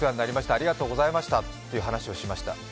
ありがとうございましたという話をしました。